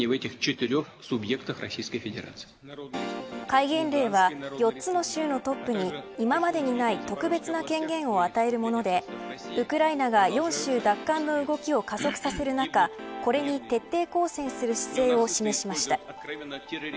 戒厳令は４つの州のトップに今までにない特別な権限を与えるものでウクライナが４州奪還の動きを加速させる中これに徹底抗戦する姿勢を示しました。